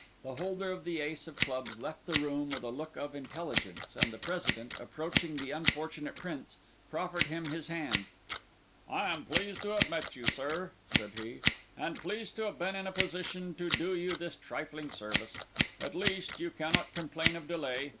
The holder of the ace of clubs left the room with a look of intelligence, and the President, approaching the unfortunate Prince, proffered him his hand. "I am pleased to have met you, sir," said he, "and pleased to have been in a position to do you this trifling service. At least, you cannot complain of delay.